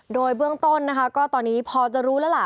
โดยเบื้องต้นนะคะก็ตอนนี้พอจะรู้แล้วล่ะ